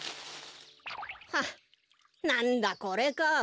はっなんだこれか。